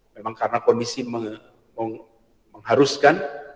memang karena kondisi mengharuskan